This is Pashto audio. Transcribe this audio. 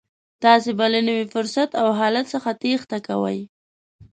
تاسې به له نوي فرصت او حالت څخه تېښته کوئ.